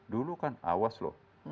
dulu kan awas loh